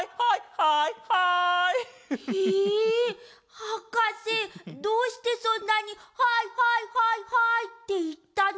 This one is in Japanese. はかせどうしてそんなに「はいはいはいはい」っていったの？